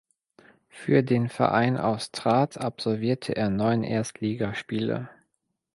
Für den Verein aus Trat absolvierte er neun Erstligaspiele.